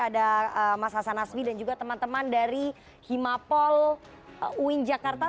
ada mas hasan nasbi dan juga teman teman dari himapol uin jakarta